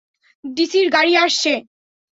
ডিসির গাড়ি আসছে।